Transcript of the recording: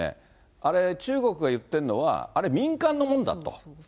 あれ、中国が言ってんのはあれ、民間のものだと。